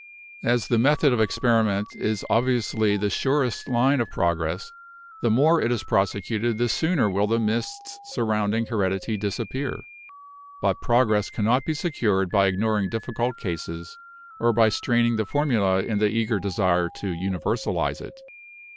As the method of experiment is obviously the surest line of progress, the more it is prosecuted the sooner will the mists surrounding heredity disappear, but prog ress cannot be secured by ignoring difficult cases or by straining the formula in the eager desire to universalize it."